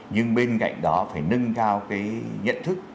nhưng bên cạnh đó phải nâng cao cái nhận thức